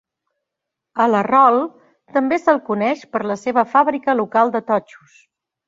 A l'Errol també se'l coneix per la seva fàbrica local de totxos.